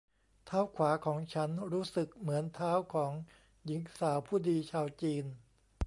เท้าขวาของฉันรู้สึกเหมือนเท้าของหญิงสาวผู้ดีชาวจีน